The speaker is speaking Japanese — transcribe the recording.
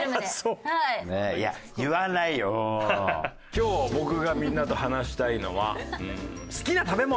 今日僕がみんなと話したいのは好きな食べ物！